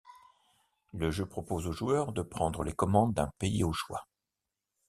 Le jeu propose au joueur de prendre les commandes d'un pays au choix.